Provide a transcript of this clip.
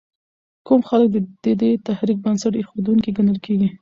کوم خلک د دې تحریک بنسټ ایښودونکي ګڼل کېږي؟